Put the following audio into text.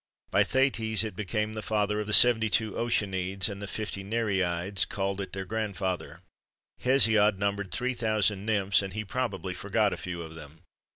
By Thetis it became the father of the seventy two Oceanides, and the fifty Nereides called it their grandfather. Hesiod numbered three thousand nymphs, and he probably forgot a few of them.